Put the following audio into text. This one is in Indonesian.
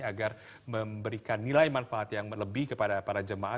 agar memberikan nilai manfaat yang lebih kepada para jemaah